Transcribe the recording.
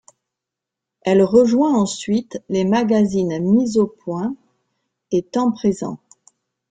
Elle rejoint ensuite les magazines Mise au Point et Temps Présent.